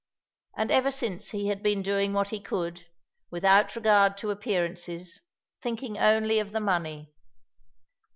And ever since he had been doing what he could, without regard to appearances, thinking only of the money.